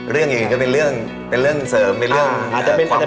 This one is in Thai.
เรื่องอื่นก็เป็นเรื่องเสริมเป็นเรื่องความมั่นใจ